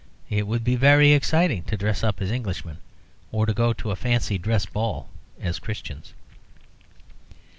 It would be very exciting to dress up as Englishmen, or to go to a fancy dress ball as Christians.